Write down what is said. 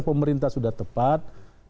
pemerintah sudah tepat